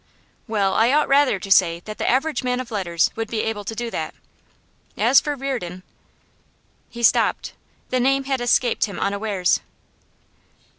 'Well, I ought rather to say that the average man of letters would be able to do that. As for Reardon ' He stopped. The name had escaped him unawares.